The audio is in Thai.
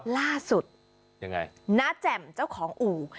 ล่าสุดนาแจ่มเจ้าของอู่